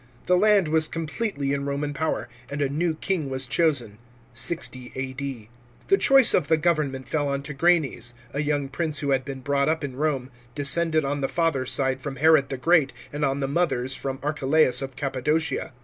The land was completely in Roman power, and a new king was chosen (60 A.D.). The choice of the government fell on Tigranes, a young prince who had been brought u|> in Rome, descended on the father's side from Herod the Great, and on the mother's from Archelaus of Cappadocia.